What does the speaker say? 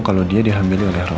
kalo dia dihamilin oleh roy